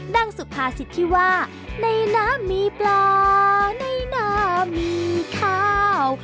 สุภาษิตที่ว่าในน้ำมีปลาในน้ำมีข้าว